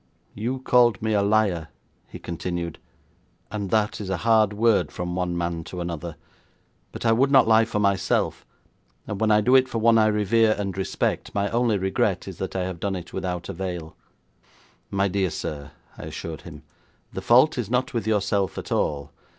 'You called me a liar,' he continued, 'and that is a hard word from one man to another, but I would not lie for myself, and when I do it for one I revere and respect, my only regret is that I have done it without avail.' 'My dear sir,' I assured him, 'the fault is not with yourself at all.